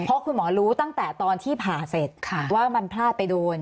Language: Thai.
เพราะคุณหมอรู้ตั้งแต่ตอนที่ผ่าเสร็จว่ามันพลาดไปโดน